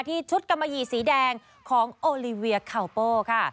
ชุดกำมะหี่สีแดงของโอลิเวียคาวโป้ค่ะ